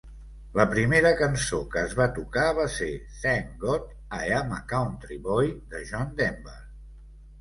La primera cançó que es va tocar va ser "Thank God I'm a Country Boy" de John Denver.